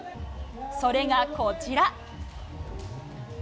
それがこちら。